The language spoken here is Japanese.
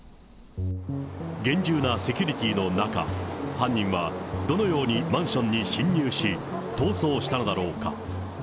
厳重なセキュリティーの中、犯人はどのようにマンションに侵入し、逃走したのだろうか。